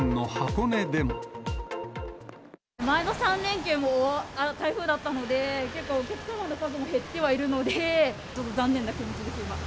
前の３連休も台風だったので、結構お客様の数も減ってはいるので、ちょっと残念な気持ちです、